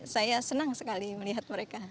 saya senang sekali melihat mereka